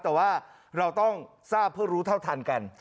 แต่ว่าเราต้องทราบเพื่อรู้เท่าทันกัน